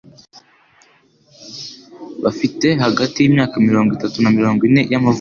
bafite hagati y'imyaka mirongo itatu na mirongo ine y'amavuko.